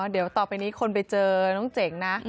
เดี๋ยวต่อไปนี้คนไปเจอน้องเจ๋งนะ